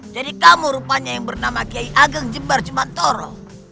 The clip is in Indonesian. jadi kamu rupanya yang bernama kiai ageng jembar jemantoro